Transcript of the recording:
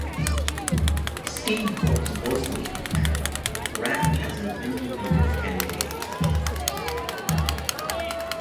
Steve "Woz" Wozniak ran as an independent candidate.